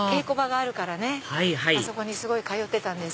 あはいはいあそこにすごい通ってたんです。